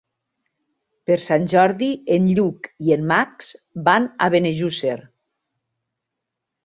Per Sant Jordi en Lluc i en Max van a Benejússer.